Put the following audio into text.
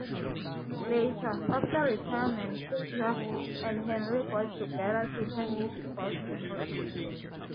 Later, after retirement, Kyser and Henry got together to share music world memories.